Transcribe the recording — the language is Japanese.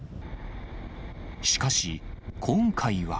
しかし、今回は。